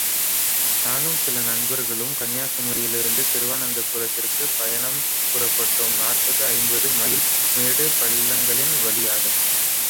நானும் சில நண்பர்களும் கன்னியா குமரியிலிருந்து திருவனந்தபுரத்துக்குப் பயணம் புறப்பட்டோம், நாற்பது ஐம்பது மைல் மேடு பள்ளங்களின் வழியாக.